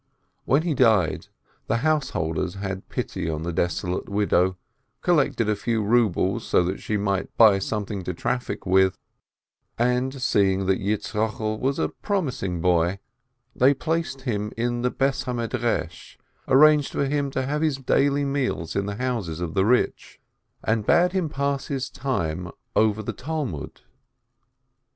When he died, the householders had pity on the deso late widow, collected a few rubles, so that she might buy something to traffic with, and, seeing that Yitzchokel was a promising boy, they placed him in the house of etudy, arranged for him to have his daily meals in the houses of the rich, and bade him pass his time over the Talmud.